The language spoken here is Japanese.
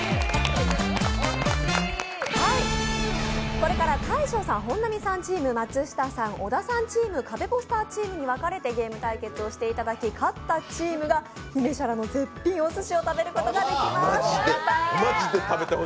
これから大昇さん・本並さんチーム、松下さん、小田さんチーム、カベポスターチームに分かれてゲーム対決をしていただき勝ったチームが、姫沙羅の絶品お寿司を食べることができます。